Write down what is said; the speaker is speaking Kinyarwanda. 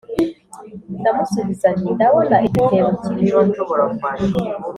ndamusubiza nti «ndabona igitebo kirimo imbuto